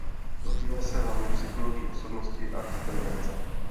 Zabýval se hlavně psychologií osobnosti a inteligence.